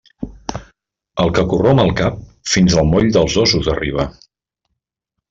El que corromp el cap, fins al moll dels ossos arriba.